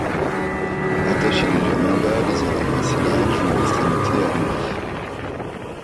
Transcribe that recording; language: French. Attachées légèrement bas, les oreilles assez larges ont l'extrémité arrondie.